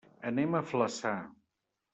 Anem a Flaçà.